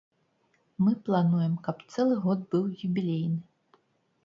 Мы плануем, каб цэлы год быў юбілейны.